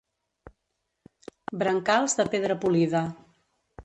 Brancals de pedra polida.